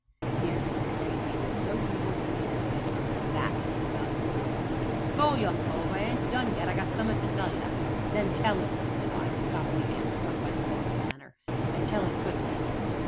Here he regarded me with so evil a leer that I turned my back in disgust. "Don't go, young cove; I ain't done yet, and I got summ'at to tell ye." "Then tell it!" said I, stopping again, struck by the fellow's manner, "and tell it quickly."